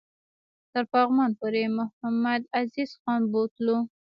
تر پغمان پوري محمدعزیز خان بوتلو.